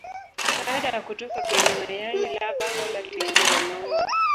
Baada ya kutoka kwenye mayai lava wala tishu za maua.